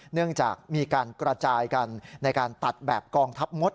เนื่องจากมีการกระจายกันในการตัดแบบกองทัพมด